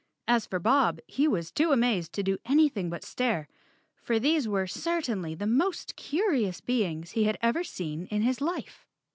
As for Bob, he was too amazed to do anything but stare, for these were certainly the most curious beings he had ever seen in his life.